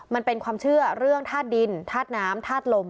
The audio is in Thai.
มันเป็นความเชื่อเรื่องธาตุดินธาตุน้ำธาตุลม